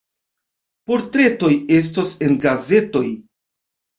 Portretoj estos en gazetoj.